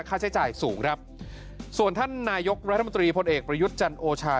ค่าใช้จ่ายสูงครับส่วนท่านนายกรัฐมนตรีพลเอกประยุทธ์จันโอชา